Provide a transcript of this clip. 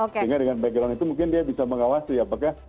sehingga dengan background itu mungkin dia bisa mengawasi apakah